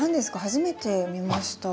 初めて見ました。